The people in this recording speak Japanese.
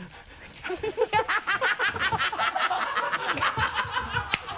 ハハハ